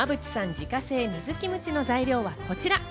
自家製水キムチの材料はこちら。